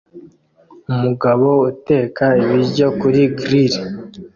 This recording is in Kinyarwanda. Umugabo uteka ibiryo kuri grill